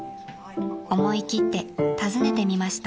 ［思い切って尋ねてみました］